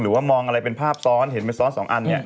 มองอะไรเป็นภาพซ้อนเห็นเป็นซ้อนสองอันเนี่ย